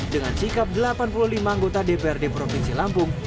dengan sikap delapan puluh lima anggota dprd provinsi lampung